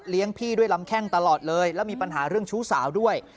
พี่ด้วยลำแข้งตลอดเลยแล้วมีปัญหาเรื่องชู้สาวด้วย